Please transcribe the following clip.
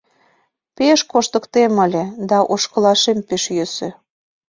— Пеш коштыктем ыле, да ошкылашем пеш йӧсӧ.